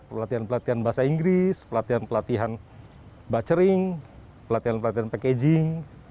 pelatihan pelatihan bahasa inggris pelatihan pelatihan bachering pelatihan pelatihan packaging